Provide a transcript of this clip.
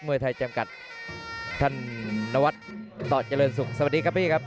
เมื่อท้ายจำกัดท่านนวัดต่อเจริญสุขสวัสดีครับปี่อาร์ม